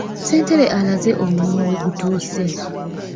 Ssentebe alaze omulimu we gutuuse.